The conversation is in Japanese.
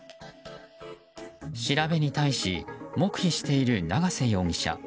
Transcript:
調べに対し、黙秘している長瀬容疑者。